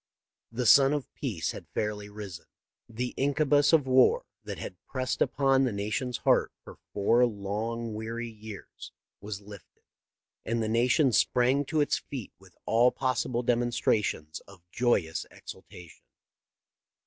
"The sun of peace had fairly risen. The incubus of war that had pressed upon the nation's heart for four long, weary years was lifted ; and the nation sprang to its feet with all possible demonstrations of joyous exultation."